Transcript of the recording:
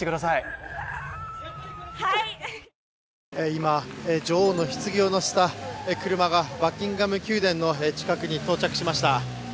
今、女王のひつぎを乗せた車がバッキンガム宮殿の近くに到着しました。